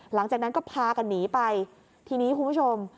หลังจากนั้นก็พากันหนีไปทีนี้คุณผู้ชม